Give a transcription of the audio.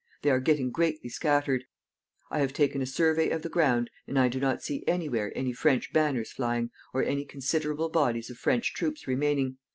They are getting greatly scattered. I have taken a survey of the ground, and I do not see any where any French banners flying, or any considerable bodies of French troops remaining.